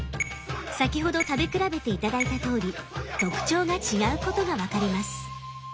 先ほど食べ比べて頂いたとおり特徴が違うことがわかります。